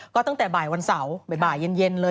ก็ตั้งแต่บ่ายวันเสาร์บ่ายเย็นเลย